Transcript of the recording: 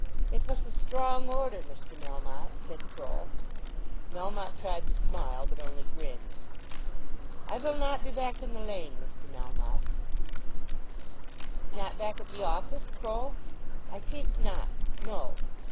"It vas a strong order, Mr. Melmotte," said Croll. Melmotte tried to smile but only grinned. "I vill not be back in the Lane, Mr. Melmotte." "Not back at the office, Croll?" "I tink not; no.